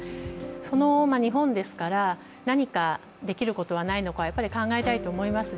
その日本ですから何かできることはないかやっぱり考えたいと思います